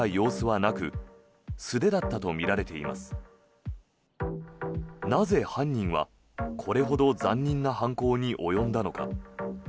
なぜ、犯人はこれほど残忍な犯行に及んだのか。